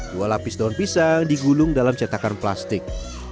dua lapis daun pisang digulung dalam cetakan plastik